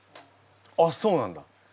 あっそうなんだ！